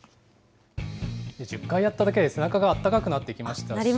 １０回やっただけで、背中があったかくなってきましたし。